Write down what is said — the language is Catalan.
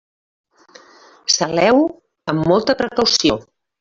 Saleu-ho amb molta precaució.